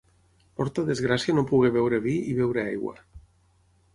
Porta desgràcia no poder beure vi i beure aigua.